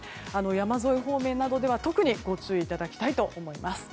山沿い方面などでは特にご注意いただきたいと思います。